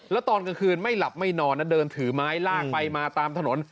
แล้วตอนกลางคืนไม่หลับไม่นอนนะเดินถือไม้ลากไปมาตามถนน